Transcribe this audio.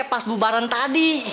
pas bubaran tadi